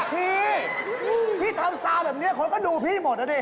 พี่พี่ทำซาวแบบนี้คนก็ดูพี่หมดนะดิ